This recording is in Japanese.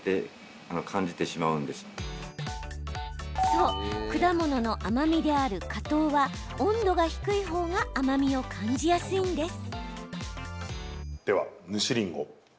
そう、果物の甘みである果糖は温度が低い方が甘みを感じやすいんです。